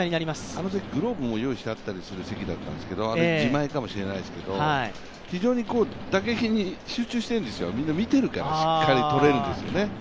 あのとき、グローブも用意したりしている席かもしれないですけど、あれは自前かもしれないですけど、非常に打撃に集中しているんです見ているからしっかり取れるんですよね。